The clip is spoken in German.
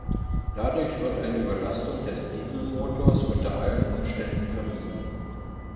Dadurch wird eine Überlastung des Dieselmotors unter allen Umständen vermieden.